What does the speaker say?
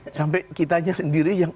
sampai kitanya sendiri yang